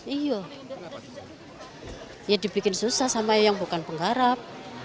iya dibikin susah sama yang bukan penggarap